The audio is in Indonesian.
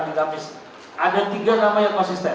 di mana ada tiga nama yang konsisten